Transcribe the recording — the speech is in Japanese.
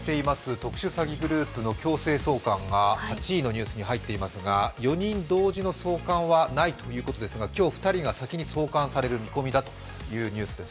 特殊詐欺グループの強制送還が８位のニュースに入っていますが、４人同時の送還はないということですが今日２人が先に送還されるということです。